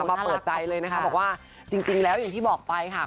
มาเปิดใจเลยนะคะบอกว่าจริงแล้วอย่างที่บอกไปค่ะ